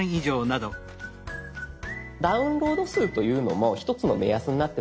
「ダウンロード数」というのも一つの目安になってまいります。